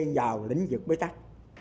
vào lĩnh vực mới tắt